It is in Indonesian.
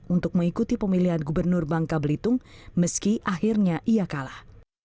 untuk mengikuti pemilihan gubernur bangka belitung meski akhirnya ia kalah